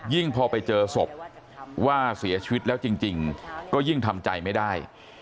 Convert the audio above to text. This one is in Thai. พอไปเจอศพว่าเสียชีวิตแล้วจริงก็ยิ่งทำใจไม่ได้